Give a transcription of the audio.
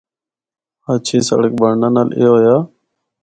ہچھی سڑک بنڑنا نال اے ہویا۔